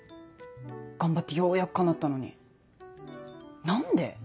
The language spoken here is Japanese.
頑張ってようやくかなったのに何で？